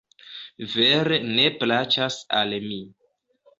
Vere ne plaĉas al mi